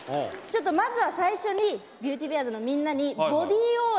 ちょっとまずは最初にビューティーベアーズのみんなにボディー応援をやってもらいます。